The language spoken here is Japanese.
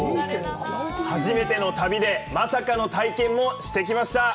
初めての旅でまさかの体験もしてきました。